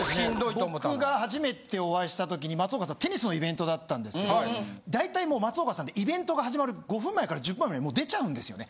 僕が初めてお会いしたときに松岡さんテニスのイベントだったんですけど大体もう松岡さんってイベントが始まる５分前から１０分前にもう出ちゃうんですよね。